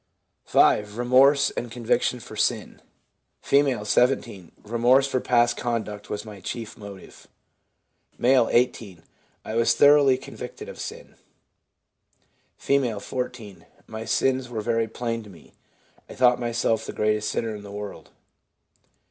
5. Remorse and conviction for sin. — F., 17. 'Remorse for past conduct was my chief motive.' M., 18. 'I was thoroughly convicted of sin.' F., 14. ' My sins were very plain to me. I thought myself the greatest sinner in the world.'